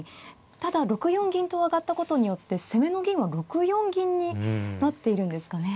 ただ６四銀と上がったことによって攻めの銀は６四銀になっているんですかね。